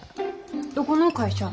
どこの会社？